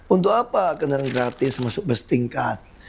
untuk apa kendaraan gratis masuk bus tingkat